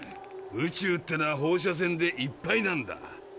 宇宙ってのは放射線でいっぱいなんだ。